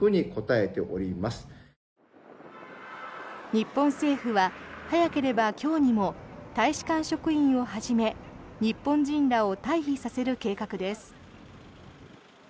日本政府は早ければ今日にも大使館職員をはじめ日本人らを退避させる計画です。